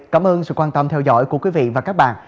cảm ơn sự quan tâm theo dõi của quý vị và các bạn